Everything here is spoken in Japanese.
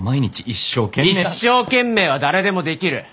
一生懸命は誰でもできる。